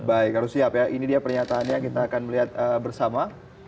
baik harus siap ya ini dia pernyataannya kita akan melihat bersama